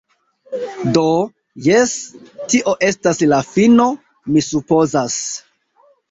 Do, jes, tio estas la fino, mi supozas.